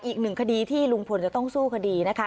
อีกหนึ่งคดีที่ลุงพลจะต้องสู้คดีนะคะ